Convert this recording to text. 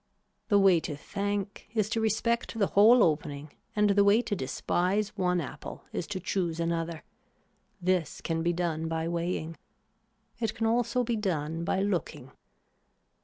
The way to thank is to respect the whole opening and the way to despise one apple is to choose another. This can be done by weighing. It can also be done by looking.